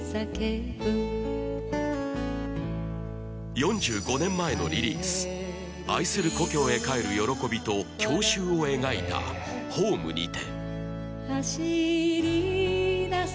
４５年前のリリース愛する故郷へ帰る喜びと郷愁を描いた「ホームにて」